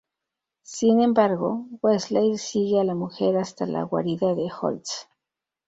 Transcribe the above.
Sin embargo, Wesley sigue a la mujer hasta la guarida de Holtz.